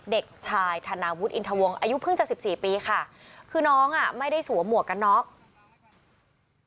เด็กชายธนาวุฒิอินทวงอายุเพิ่งจะสิบสี่ปีค่ะคือน้องอ่ะไม่ได้สวมหมวกกันน็อก